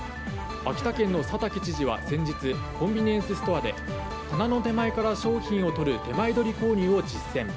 秋田県の佐竹知事は先日コンビニエンスストアで棚の手前から商品をとるてまえどり購入を実践。